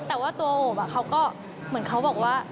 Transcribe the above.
แต่ว่าตัวโอบเขาก็เหมือนเขาบอกว่า